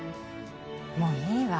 もういいわ。